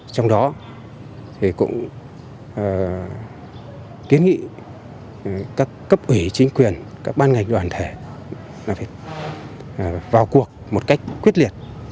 trong đó thì cũng kiến nghị các cấp ủy chính quyền các ban ngành đoàn thể là phải vào cuộc một cách quyết liệt